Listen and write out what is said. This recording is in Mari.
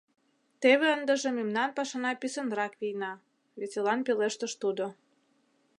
— Теве ындыже мемнан пашана писынрак вийна, — веселан пелештыш тудо.